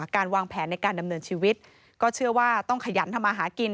การวางแผนในการดำเนินชีวิตก็เชื่อว่าต้องขยันทำมาหากิน